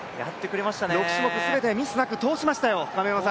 ６種目全てミスなく通しましたよ。